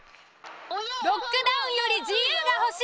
ロックダウンより自由が欲し